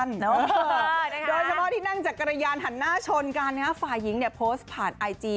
โดยเฉพาะที่นั่งจักรยานหันหน้าชนกันฝ่ายหญิงเนี่ยโพสต์ผ่านไอจี